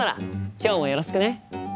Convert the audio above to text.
今日もよろしくね。